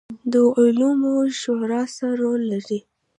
د علماوو شورا څه رول لري؟